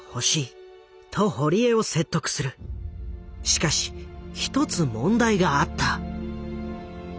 しかし一つ問題があった。